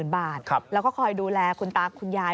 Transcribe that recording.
บาทแล้วก็คอยดูแลคุณตาคุณยาย